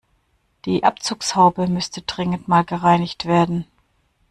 Die Abzugshaube müsste dringend mal gereinigt werden.